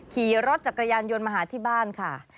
ขี่รถจักรยานยนต์มาหาที่บ้านค่ะ